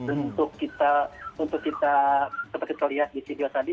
untuk kita seperti kita lihat di video tadi